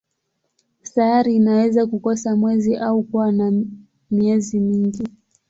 Sayari inaweza kukosa mwezi au kuwa na miezi mingi.